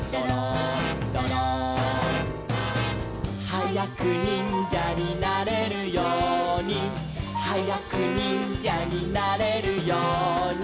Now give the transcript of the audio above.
「はやくにんじゃになれるように」「はやくにんじゃになれるように」